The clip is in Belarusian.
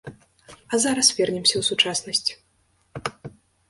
А зараз вернемся ў сучаснасць.